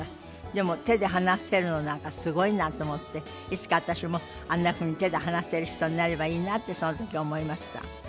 でも手で話せるのなんかすごいなと思っていつか私もあんなふうに手で話せる人になればいいなとその時思いました。